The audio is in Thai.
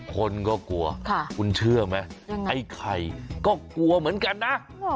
คนก็กลัวคุณเชื่อไหมไอ้ไข่ก็กลัวเหมือนกันนะ